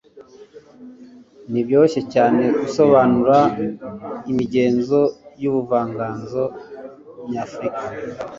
ntibyoroshye cyane gusobanura imigenzo yubuvanganzo nyafurika